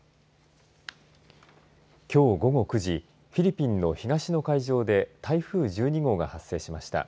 きょう午後９時フィリピンの東の海上で台風１２号が発生しました。